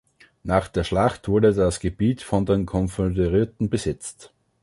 Nach der Schlacht wurde das Gebiet von den Konföderierten besetzt.